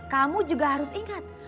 kamu juga harus ingat